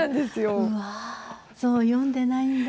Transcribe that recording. うわそう読んでないんだ。